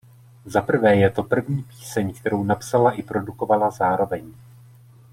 Za prvé je to první píseň kterou napsala i produkovala zároveň.